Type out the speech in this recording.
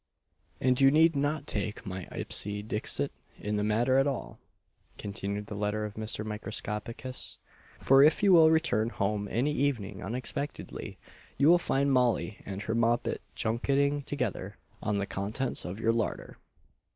"And you need not take my ipse dixit in the matter at all," continued the letter of Mr. Microscopicus, "for if you will return home any evening unexpectedly, you will find Molly and her moppet junketing together on the contents of your larder."